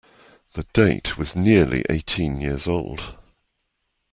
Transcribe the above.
The date was nearly eighteen years old.